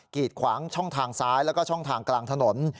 ีดขวางช่องทางซ้ายแล้วก็ช่องทางกลางถนน